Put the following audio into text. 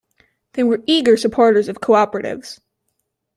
They were eager supporters of cooperatives.